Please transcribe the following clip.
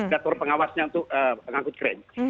dator pengawasnya untuk pengangkut keren